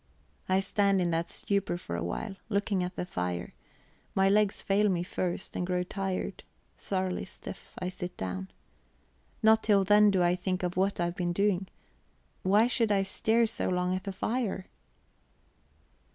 I stand in that stupor for a while, looking at the fire; my legs fail me first, and grow tired; thoroughly stiff, I sit down. Not till then do I think of what I have been doing. Why should I stare so long at the fire?